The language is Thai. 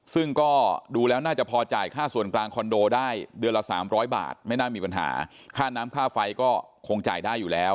ซึ่งก็ดูแล้วน่าจะพอจ่ายค่าส่วนกลางคอนโดได้เดือนละ๓๐๐บาทไม่น่ามีปัญหาค่าน้ำค่าไฟก็คงจ่ายได้อยู่แล้ว